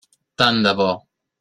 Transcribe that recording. Tant de bo.